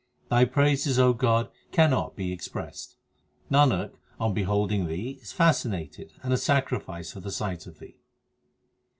Thy praises, O God, cannot be expressed. Nanak, on beholding Thee is fascinated and a sacrifice for a sight of Thee.